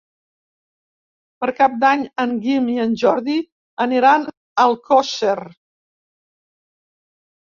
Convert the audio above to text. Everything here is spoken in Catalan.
Per Cap d'Any en Guim i en Jordi aniran a Alcosser.